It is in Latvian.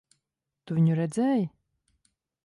Tu viņu redzēji?